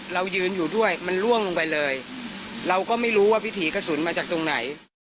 เรายืนอยู่ด้วยมันล่วงลงไปเลยเราก็ไม่รู้ว่าวิถีกระสุนมาจากตรงไหน